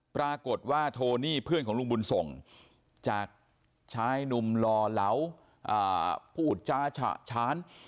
ปรากฏว่าโทนี่เพื่อนของลุงบุญส่งจากชายหนุ่มหล่อเหลาพูดจาฉะฉาน